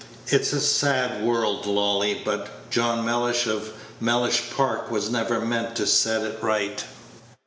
It's a sad world, Lolly, but John Mellish, of Mellish Park, was never meant to set it right."